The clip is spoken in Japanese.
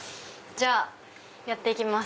じゃあやっていきます。